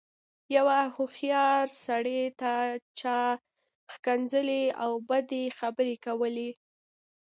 يوه هوښيار سړي ته چا ښکنځلې او بدې خبرې کولې.